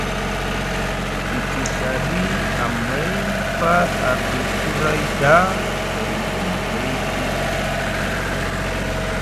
Te kiɵaɗi amay par arɗi huray ɗa gay doŋolayɗi.